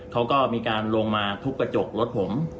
เขาก็มีการลงมาทุบกระจกรถผม